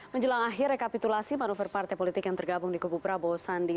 menjelang akhir rekapitulasi manuver partai politik yang tergabung di kubu prabowo sandi